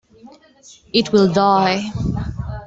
It will die.